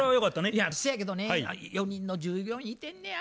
いやそやけどね４人の従業員いてんねや。